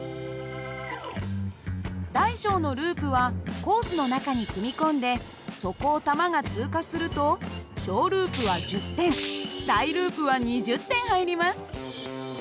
大小のループはコースの中に組み込んでそこを玉が通過すると小ループは１０点大ループは２０点入ります。